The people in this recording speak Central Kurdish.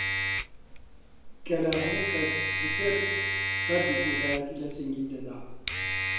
کە لە هەموو کەس پتر بەردی کوردایەتی لە سینگی دەدا!